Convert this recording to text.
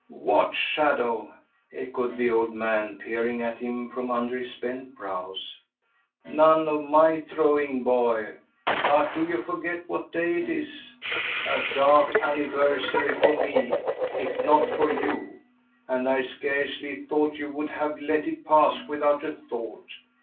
"What shadow!" echoed the old man, peering at him from under his bent brows. "None of my throwing, boy; but do you forget what day it is? A dark anniversary for me, if not for you; and I scarcely thought you would have let it pass without a thought.